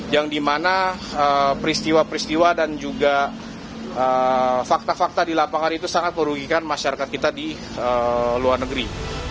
yang dimana peristiwa peristiwa dan juga fakta fakta di lapangan itu sangat merugikan masyarakat kita di luar negeri